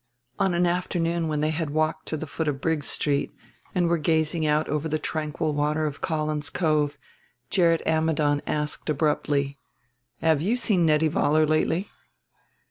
On an afternoon when they had walked to the foot of Briggs Street, and were gazing out over the tranquil water of Collins Cove, Gerrit Ammidon asked abruptly: "Have you seen Nettie Vollar lately?"